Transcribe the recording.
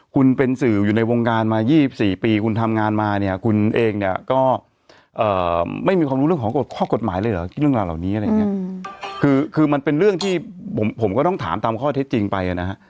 คุณเป็นสื่ออยู่ในวงการมา๒๔ปีคุณทำงานมาเนี่ยคุณเองเนี่ยก็ไม่มีความรู้เรื่องของข้อกฎหมายเลยเหรอที่เรื่องราวเหล่านี้อะไรอย่างเงี้ยคือมันเป็นเรื่องที่ผมก็ต้องถามตามข้อเท็จจริงไปนะฮะ